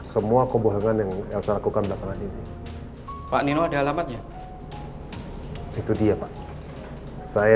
semua kebohongan yang elsa lakukan dari dia